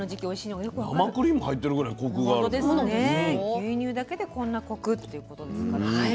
牛乳だけでこんなコクっていうことですからね。